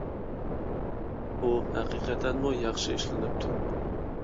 ئۇ ھەقىقەتەنمۇ ياخشى ئىشلىنىپتۇ.